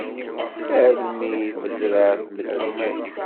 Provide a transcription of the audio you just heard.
Almi i d-tezreɛ tmeddit.